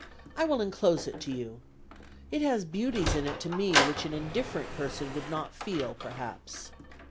I will inclose it to you. It has beauties in it to me which an indifferent person would not feel, perhaps.